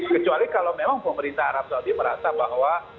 kecuali kalau memang pemerintah arab saudi merasa bahwa